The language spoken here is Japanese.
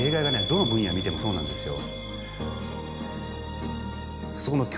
どの分野見てもそうなんですよ。